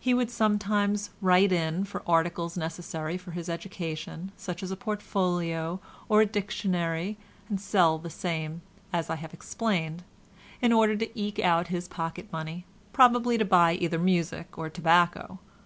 He would sometimes "write in" for articles necessary for his education, such as a portfolio, or a dictionary, and sell the same, as I have explained, in order to eke out his pocket money, probably to buy either music or tobacco.